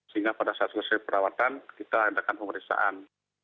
sehingga pada saat selesai perawatan kita adakan pemeriksaan